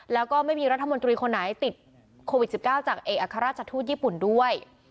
แล้วก็ไม่มีรัฐมนตรีคนไหนติดโควิด๑๙จากเอกอัครราชทูตญี่ปุ่นด้วย